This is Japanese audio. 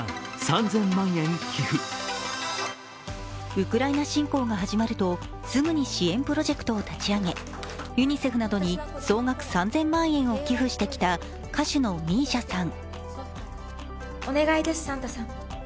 ウクライナ侵攻が始まるとすぐに支援プロジェクトを立ち上げユニセフなどに総額３０００万円を寄付してきた歌手のＭＩＳＩＡさん。